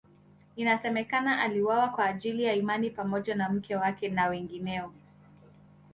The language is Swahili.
Inasemekana aliuawa kwa ajili ya imani pamoja na mke wake na wengineo.